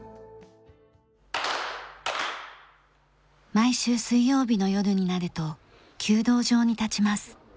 毎週水曜日の夜になると弓道場に立ちます。